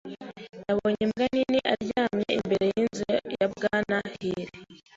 Nabonye imbwa nini aryamye imbere y'inzu ya Bwana Hill.